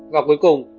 và cuối cùng